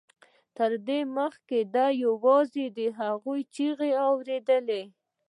تر دې مخکې ده یوازې د هغوی چیغې اورېدلې